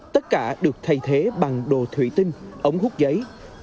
tất cả được thay thế bằng đồ thủy tinh ống hút giấy